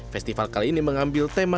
festival kali ini mengambil tema